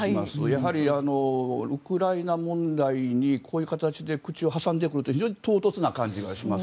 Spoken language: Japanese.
やはりウクライナ問題にこういう形で口を挟んでくると非常に唐突な感じがします。